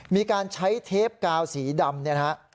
มีการใช้เทปกาวสีดำ